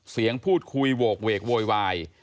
เสียงพูดคุยโหกเวกโวยวาย